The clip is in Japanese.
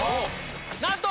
なんと！